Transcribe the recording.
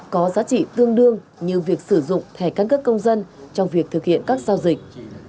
có giá trị tương đương như việc sử dụng thẻ căn cước công dân trong việc thực hiện các giao dịch